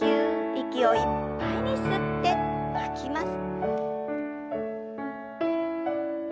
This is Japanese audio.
息をいっぱいに吸って吐きます。